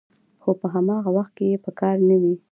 خو په هماغه وخت کې یې په کار نه وي